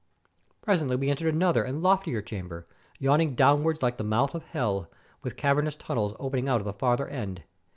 Presently we entered another and loftier chamber, yawning downwards like the mouth of hell, with cavernous tunnels opening out of the farther end.